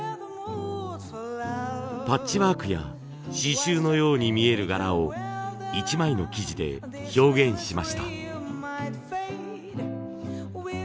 パッチワークや刺しゅうのように見える柄を一枚の生地で表現しました。